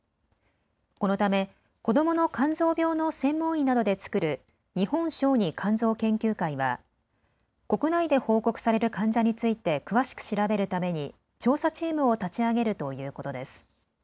このため子どもの肝臓病の専門医などで作る日本小児肝臓研究会は国内で報告される患者について詳しく調べるために調査チームを立ち上げるということです。